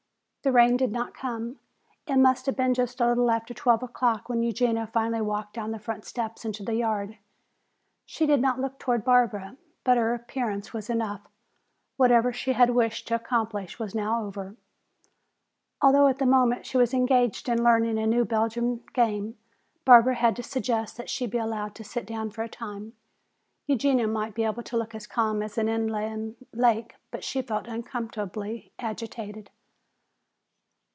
The rain did not come. It must have been just a little after twelve o'clock when Eugenia finally walked down the front steps into the yard. She did not look toward Barbara, but her appearance was enough. Whatever she had wished to accomplish was now over. Although at the moment she was engaged in learning a new Belgian game, Barbara had to suggest that she be allowed to sit down for a time. Eugenia might be able to look as calm as an inland lake, but she felt uncomfortably agitated.